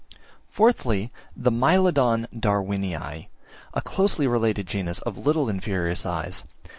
Fourthly, the Mylodon Darwinii, a closely related genus of little inferior size.